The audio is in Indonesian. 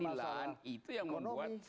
itu yang membuat